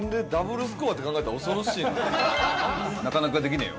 なかなかできねえよ